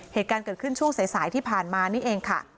เหตุการณ์เกิดขึ้นช่วงสายที่ผ่านมานี่เองค่ะ